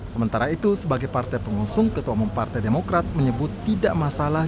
sementara itu sebagai partai pengusung ketua umum partai demokrat menyebut tidak masalah